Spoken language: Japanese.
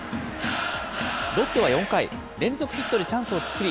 ロッテは４回、連続ヒットでチャンスを作り